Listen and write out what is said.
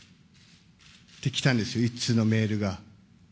って来たんですよ、１通のメールが。